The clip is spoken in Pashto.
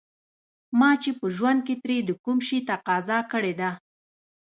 ما چې په ژوند کې ترې د کوم شي تقاضا کړې ده.